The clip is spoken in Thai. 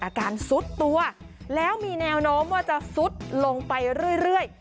อาการซุดตัวแล้วมีแนวโน้มว่าจะซุดลงไปเรื่อย